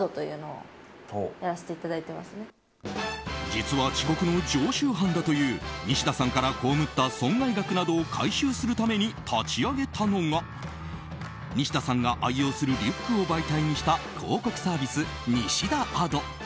実は遅刻の常習犯だというニシダさんから被った損害額などを回収するために立ち上げたのがニシダさんが愛用するリュックを媒体にした広告サービス、ニシダ・アド。